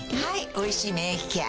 「おいしい免疫ケア」